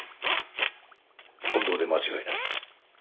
近藤で間違いない。